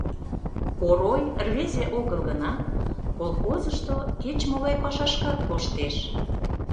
Орой рвезе огыл гынат, колхозышто кеч-могай пашашкат коштеш.